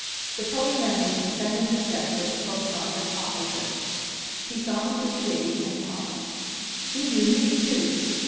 The postman was descending the steps of the post office opposite. He saw me through the gate and paused. He knew me, too!